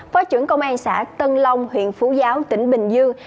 phó trưởng công an xã tân long huyện phú giáo tỉnh bình dương